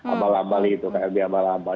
abal abal itu klb abal abal